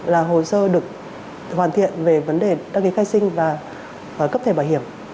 là hồ sơ được hoàn thiện về vấn đề đăng ký khai sinh và cấp thẻ bảo hiểm